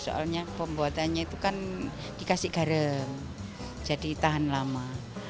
soalnya pembuatannya itu kan dikasih garam jadi tahan lama